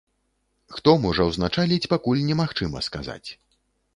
Хто можа ўзначаліць пакуль не магчыма сказаць.